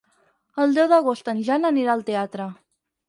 El deu d'agost en Jan anirà al teatre.